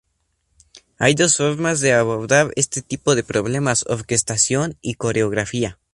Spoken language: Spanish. Hay dos formas de abordar este tipo de problemas: Orquestación y coreografía.